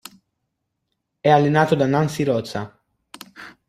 È allenato da Nancy Roza.